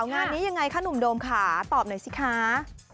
งานนี้ยังไงคะหนุ่มโดมค่ะตอบหน่อยสิคะ